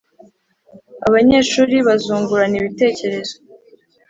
Abanyeshuri bazungurana ibitekerezo